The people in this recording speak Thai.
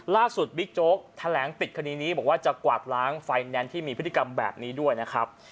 บิ๊กโจ๊กแถลงปิดคดีนี้บอกว่าจะกวาดล้างไฟแนนซ์ที่มีพฤติกรรมแบบนี้ด้วยนะครับ